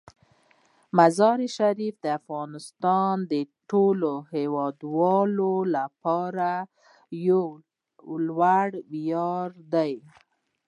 مزارشریف د افغانستان د ټولو هیوادوالو لپاره یو لوی ویاړ دی.